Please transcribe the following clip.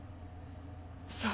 そう。